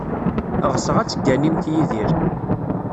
Ɣseɣ ad tegganimt Yidir.